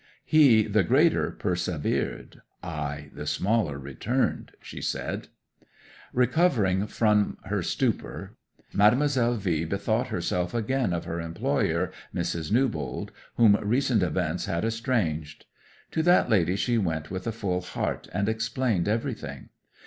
"He, the greater, persevered; I, the smaller, returned!" she said. 'Recovering from her stupor, Mademoiselle V bethought herself again of her employer, Mrs. Newbold, whom recent events had estranged. To that lady she went with a full heart, and explained everything.